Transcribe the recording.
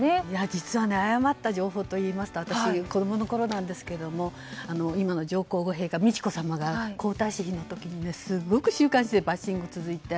実は誤った情報といいますと私が子供のころなんですが今の上皇后陛下美智子さまが皇太子妃の時に、すごく週刊誌でバッシング続いて。